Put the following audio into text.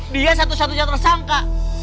dia satu satunya tersangka